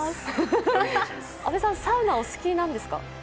阿部さん、サウナ、お好きなんですか？